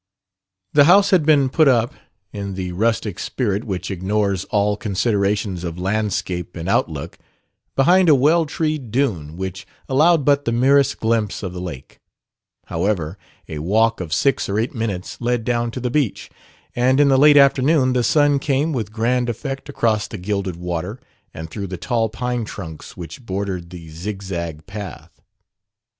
The house had been put up in the rustic spirit which ignores all considerations of landscape and outlook behind a well treed dune which allowed but the merest glimpse of the lake; however, a walk of six or eight minutes led down to the beach, and in the late afternoon the sun came with grand effect across the gilded water and through the tall pine trunks which bordered the zig zag path.